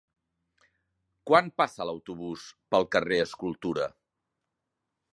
Quan passa l'autobús pel carrer Escultura?